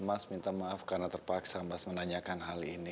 mas minta maaf karena terpaksa mas menanyakan hal ini